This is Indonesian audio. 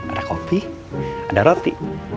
ada kopi ada roti